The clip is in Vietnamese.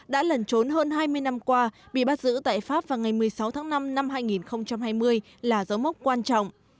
đã lẩn trốn hơn hai mươi năm qua bị bắt giữ tại pháp vào ngày một mươi sáu tháng năm năm hai nghìn hai mươi là dấu mốc quan trọng